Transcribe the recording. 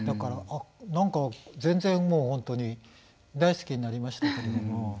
なんか全然もう本当に大好きになりましたけれども。